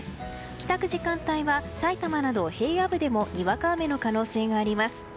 帰宅時間帯はさいたまなど平野部でもにわか雨の可能性があります。